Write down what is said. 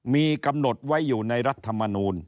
มีกำหนดไว้อยู่ในรัฐมนูล